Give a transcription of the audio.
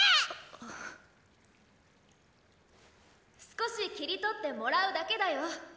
少し切り取ってもらうだけだよ。